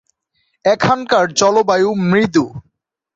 এখানকার জলবায়ু মৃদু।